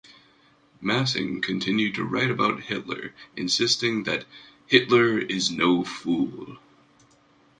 Massing continued to write about Hitler insisting that "Hitler is no Fool!".